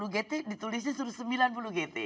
satu ratus lima puluh gt ditulisnya suruh sembilan puluh gt